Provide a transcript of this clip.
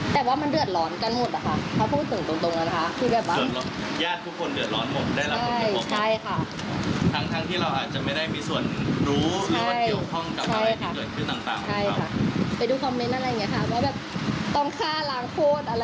แต่ว่ามันเวียดหลอนกันหมดเขาพูดถึงตรงน่ะนะคะ